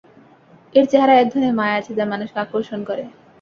এর চেহারায় এক ধরনের মায়া আছে যা মানুষকে আকর্ষণ করে।